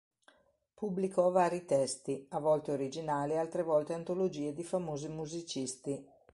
Pubblicò vari testi, a volte originali altre volte antologie di famosi musicisti.